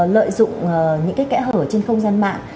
lợi dụng những kẽ hở trên không gian mạng